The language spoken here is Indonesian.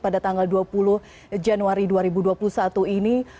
pada tanggal dua puluh januari dua ribu dua puluh satu ini